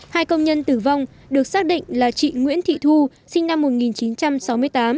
hai công nhân tử vong được xác định là chị nguyễn thị thu sinh năm một nghìn chín trăm sáu mươi tám